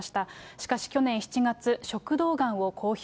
しかし去年７月、食道がんを公表。